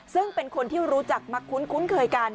ซึ่งเป็นคนที่รู้จักมักคุ้นเคยกัน